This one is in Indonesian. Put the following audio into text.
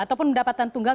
ataupun pendapatan tunggal